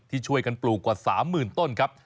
ที่ช่วยกันปลูกกว่า๓๐๐๐ต้นครับ